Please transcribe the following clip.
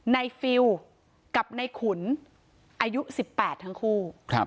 ในฟิลกับในขุนอายุสิบแปดทั้งคู่